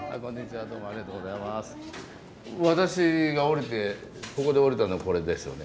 私が降りてここで降りたのがこれですよね。